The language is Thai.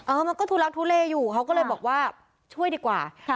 มันก็ทุลักทุเลอยู่เขาก็เลยบอกว่าช่วยดีกว่า